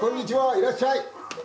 いらっしゃい！